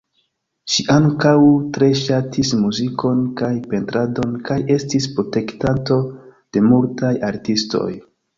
Ŝi ankaŭ tre ŝatis muzikon kaj pentradon kaj estis protektanto de multaj artistoj.